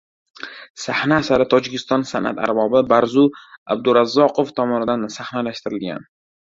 Sahna asari Tojikiston san’at arbobi Barzu Abdurazzoqov tomonidan sahnalashtirilgan